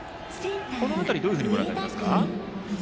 この辺り、どういうふうにご覧になりますか？